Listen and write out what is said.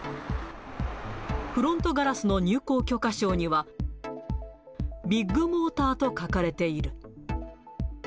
フロントガラスの入構許可証には、ビッグモーターと書かれている。